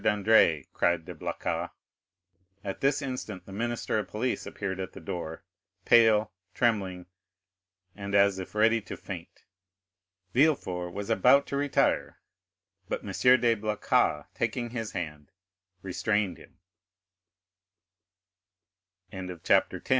Dandré!" cried de Blacas. At this instant the minister of police appeared at the door, pale, trembling, and as if ready to faint. Villefort was about to retire, but M. de Blacas, taking his hand, restrained him. Chapter 11. The Corsican Ogre At the si